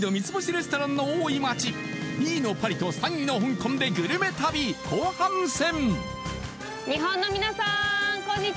レストランの多い街２位のパリと３位の香港でグルメ旅後半戦